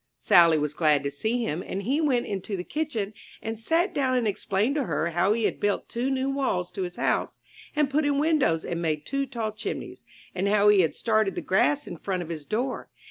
Sally was glad to see him, and he went into the kitchen and sat down and explained to her how he had built two new walls to his house and put in windows and made two tall chimneys, and how he had started the grass in front of his door.